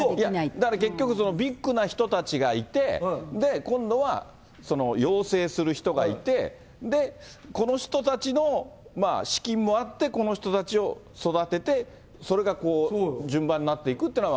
だから結局、ビッグな人たちがいて、今度は養成する人がいて、この人たちの資金もあって、この人たちを育てて、それが順番になっていくっていうのは。